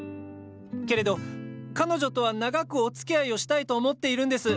けれど彼女とは長くおつきあいをしたいと思っているんです！